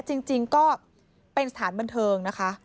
จริงก็เป็นสถานบันเทิงนะคะ